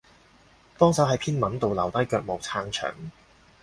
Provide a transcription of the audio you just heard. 幫手喺篇文度留低腳毛撐場